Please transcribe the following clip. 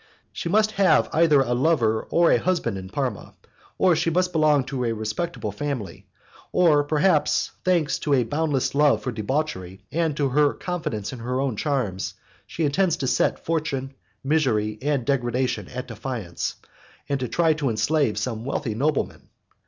She must have either a lover or a husband in Parma, or she must belong to a respectable family; or, perhaps, thanks to a boundless love for debauchery and to her confidence in her own charms, she intends to set fortune, misery, and degradation at defiance, and to try to enslave some wealthy nobleman!